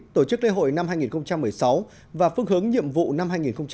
tổ chức lễ hội năm hai nghìn một mươi sáu và phương hướng nhiệm vụ năm hai nghìn hai mươi